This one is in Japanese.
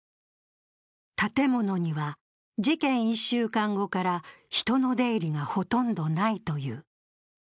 建物には事件１週間後から、人の出入りがほとんどないという。